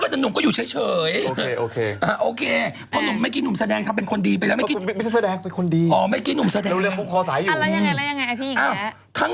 เรื่องนี้หนุ่มจะไม่ยุ่ง